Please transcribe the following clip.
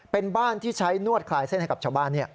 เป็นบ้านที่ใช้นวดคลายเส้นให้กับชาวบ้าน